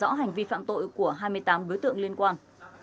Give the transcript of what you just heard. để làm rõ hành vi phạm tội của hai mươi tám bứa tượng liên quan